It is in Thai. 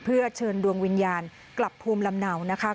เพื่อเชิญดวงวิญญาณกลับภูมิลำเนานะคะ